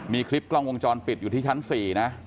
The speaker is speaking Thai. มีคลิปกล้องวงจรปิดอยู่ที่ชั้น๔นะ